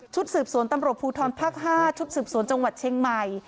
สืบสวนตำรวจภูทรภาค๕ชุดสืบสวนจังหวัดเชียงใหม่